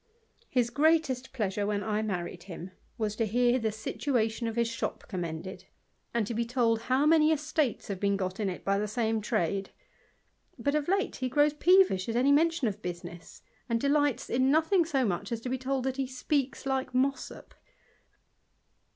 His greatest pleasure when I married him was to hear 5 situation of his shop commended, and to be told how uiy estates have been got in it by the same trade ; but of e he grows peevish at any mention of business, and :lights in nothing so much as to be told that he speaks :e Mossop.